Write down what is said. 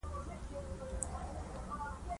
دا د اپولو یوولس ماډل دی انډریو سمونه وکړه